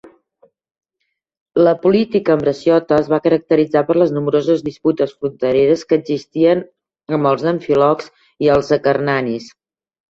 La política ambraciota es va caracteritzar per les nombroses disputes frontereres que existien amb els amfilocs i els acarnanis.